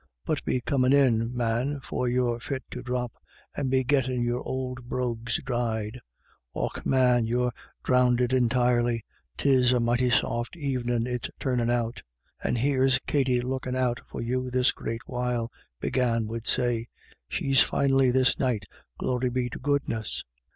But be comin' in, man, for you're fit to drop, and be gettin' your ould brogues dried. Och, man, you're dhrounded entirely ; 'tis a mighty soft evenin' it's turnin' out." " And here's Katty lookin' out for you this great while," Big Anne would say ;" she's finely this night, glory be to goodness."